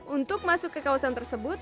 untuk masuk ke kawasan tersebut